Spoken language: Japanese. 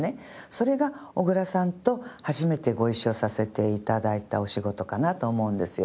それが小倉さんと初めてご一緒させて頂いたお仕事かなと思うんですよ。